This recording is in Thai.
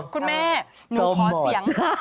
คุณแม่หนูขอเสียง